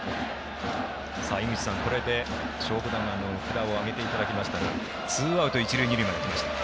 井口さん、これで「勝負眼」の札を挙げていただきましたがツーアウト一塁二塁まできました。